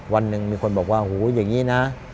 วันหนึ่งมีคนบอกว่าหูอย่างนี้นะ